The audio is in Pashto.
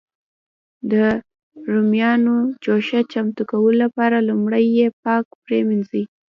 د رومیانو جوشه چمتو کولو لپاره لومړی یې پاک پرېمنځي.